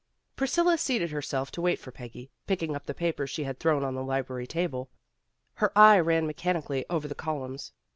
Priscilla seated herself to wait for Peggy, picking up the paper she had thrown on the library table. Her eye ran mechanically over the columns.